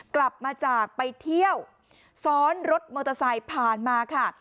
กลับมาจากไปเที่ยวซ้อนรถมอเตอร์ไซค์ผ่านมาค่ะ